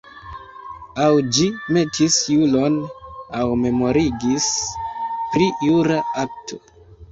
Aŭ ĝi metis juron aŭ memorigis pri jura akto.